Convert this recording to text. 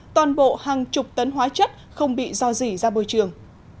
toàn bộ hàng chục tấn hóa chất không bị do dị ra môi trường